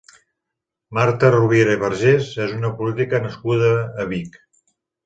Marta Rovira i Vergés és una política nascuda a Vic.